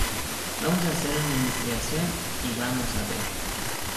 Vamos a hacer una investigación y vamos a ver.